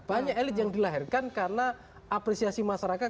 banyak elit yang dilahirkan karena apresiasi masyarakat